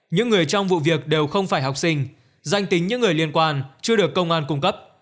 những người trong vụ việc đều không phải học sinh danh tính những người liên quan chưa được công an cung cấp